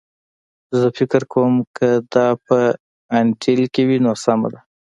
زه فکر کوم که دا په انټیل کې وي نو سمه ده